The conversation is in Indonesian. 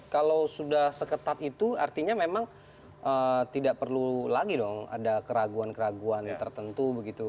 kalau sudah seketat itu artinya memang tidak perlu lagi dong ada keraguan keraguan tertentu begitu